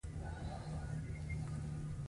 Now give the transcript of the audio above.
لمسی له خپلو ملګرو سره درس کوي.